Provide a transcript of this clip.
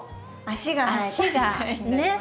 足がねっ。